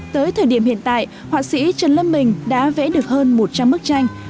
tới thời điểm hiện tại họa sĩ trần lâm bình đã vẽ được hơn một trăm linh bức tranh